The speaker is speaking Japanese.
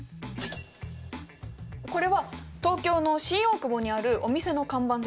これは東京の新大久保にあるお店の看板です。